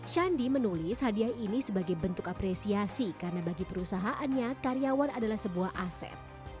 shandy menulis hadiah ini sebagai bentuk apresiasi karena bagi perusahaannya karyawan adalah sebuah aset